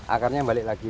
akarnya kembali lagi